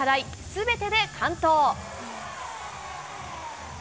すべてで完登。